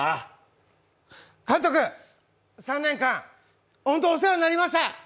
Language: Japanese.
監督、３年間、ほんとお世話になりました。